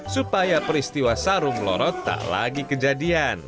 supaya peristiwa sarung lorot tak lagi kejadian